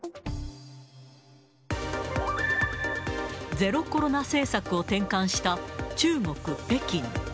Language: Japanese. ゼロコロナ政策を転換した中国・北京。